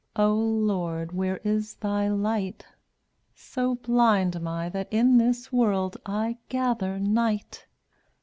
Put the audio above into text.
JP* O Lord, where is Thy light? (tv£/ So blind am I that in This world I gather night.